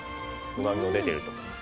うまみも出ていると思います。